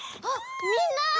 あっみんな！